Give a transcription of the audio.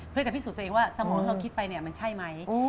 เพื่อจะพิสูจน์ตัวเองว่าสมมติว่าเราคิดไปมันใช่ไหม